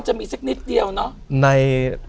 จะมีสักนิดเดียวเนาะ